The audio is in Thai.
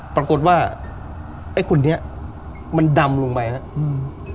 ปรากฏว่าไอ้คนนี้มันดำลงไปแล้วอืม